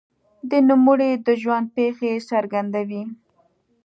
د نوموړي د ژوند پېښې څرګندوي.